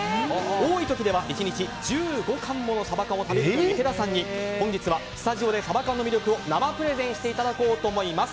多い時では１日１５缶ものサバ缶を食べる池田さんに、本日はスタジオでサバ缶の魅力を生プレゼンしていただこうと思います。